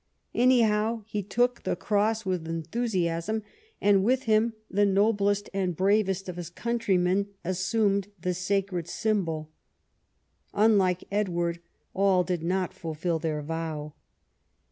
Anyhow he took the cross with enthusiasm, and with him the noblest and bravest of his countrymen assumed the sacred symbol. Unlike Edward, all did not fulfil their vow.